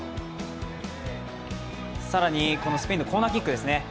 更にスペインのコーナーキックですね。